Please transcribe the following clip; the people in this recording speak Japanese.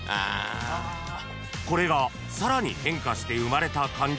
［これがさらに変化して生まれた漢字とは何？］